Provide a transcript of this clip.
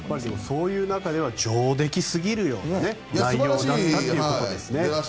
そういう中では上出来すぎるような内容だったということですね。